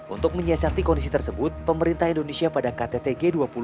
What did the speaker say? untuk menyesati kondisi tersebut pemerintah indonesia pada katedral itu tiba tiba menyeberangkan kembang